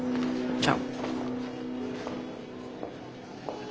じゃあ。